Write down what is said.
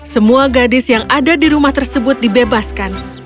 semua gadis yang ada di rumah tersebut dibebaskan